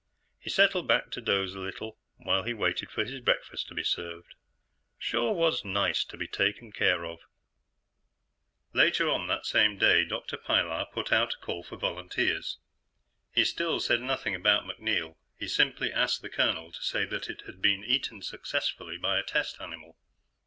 He settled back to doze a little while he waited for his breakfast to be served. Sure was nice to be taken care of. Later on that same day, Dr. Pilar put out a call for volunteers. He still said nothing about MacNeil; he simply asked the colonel to say that it had been eaten successfully by a test animal.